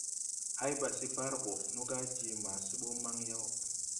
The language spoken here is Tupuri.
Hay ba sɛ bar bɔ, nɔga je ma sɛ bɔ mban yaw.